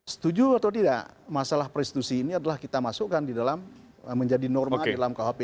setuju atau tidak masalah prostitusi ini kita masukkan menjadi norma di dalam rkuhp ini